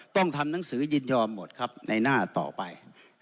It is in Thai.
ต้องทำหนังสือยินยอมหมดครับในหน้าต่อไป